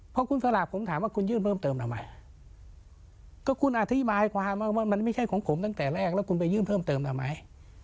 พอคุณสลากผมถามว่าคุณยื่นเพิ่มเติมทำไมก็คุณอธิบายความว่ามันไม่ใช่ของผมตั้งแต่แรกแล้วคุณไปยื่นเพิ่มเติมทำไม